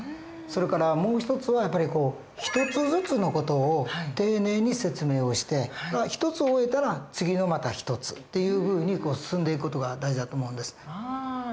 それからもう一つは一つずつの事を丁寧に説明をして一つを終えたら次のまた一つっていうふうに進んでいく事が大事だと思うんです。